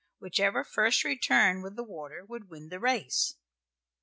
Whichever first returned with the water would win the race.